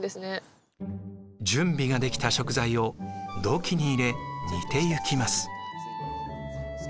準備ができた食材を土器に入れ煮ていきます。